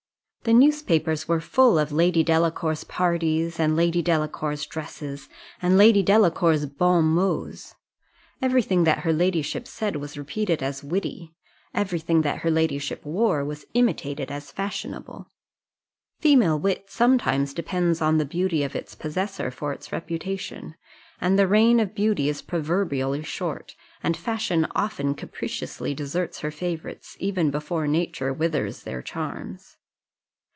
The newspapers were full of Lady Delacour's parties, and Lady Delacour's dresses, and Lady Delacour's bon mots: every thing that her ladyship said was repeated as witty; every thing that her ladyship wore was imitated as fashionable. Female wit sometimes depends on the beauty of its possessor for its reputation; and the reign of beauty is proverbially short, and fashion often capriciously deserts her favourites, even before nature withers their charms.